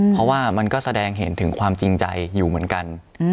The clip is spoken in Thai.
เพราะว่ามันก็แสดงเห็นถึงความจริงใจอยู่เหมือนกัน